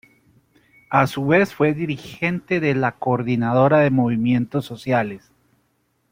A su vez fue dirigente de la Coordinadora de Movimientos Sociales.